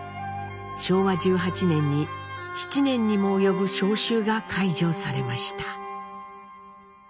昭和１８年に７年にも及ぶ召集が解除されました。